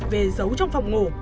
về giấu trong phòng ngủ